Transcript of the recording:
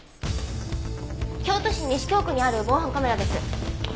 京都市西京区にある防犯カメラです。